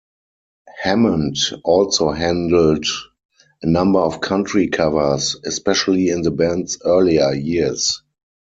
Hammond also handled a number of country covers, especially in the band's earlier years.